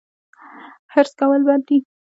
حرص کول بد دي